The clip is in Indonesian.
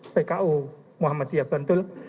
pku muhammadiyah bantul